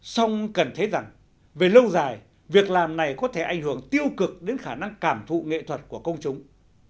xong cần thấy rằng về lâu dài việc làm này có thể ảnh hưởng tiêu cực đến khả năng cảm thụ nghệ thuật của công chúng